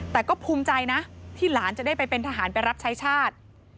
แต่ก็ภูมิใจนะที่หลานจะได้ไปเป็นทหารไปรับใช้ชาติ